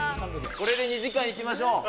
これで２時間いきましょう。